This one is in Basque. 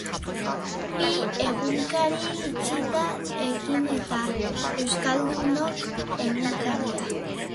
Bi egunkari itxita, Egin eta Euskaldunon Egunkaria.